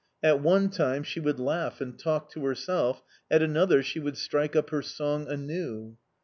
At one time, she would laugh and talk to herself, at another, she would strike up her song anew.